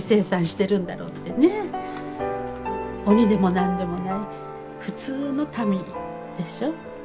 鬼でも何でもない普通の民でしょ？